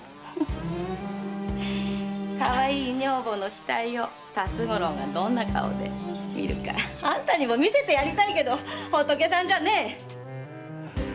かわいい女房の死体を辰五郎がどんな顔で見るかあんたにも見せてやりたいけど仏さんじゃあね。